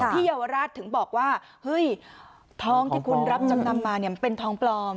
ที่เยาวราชถึงบอกว่าทองที่คุณรับจำนำมาเป็นทองปลอม